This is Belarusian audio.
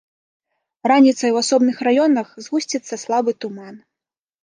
Раніцай у асобных раёнах згусціцца слабы туман.